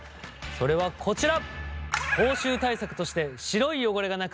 それはこちら！